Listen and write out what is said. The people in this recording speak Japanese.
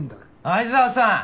愛沢さん